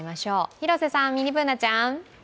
広瀬さん、ミニＢｏｏｎａちゃん。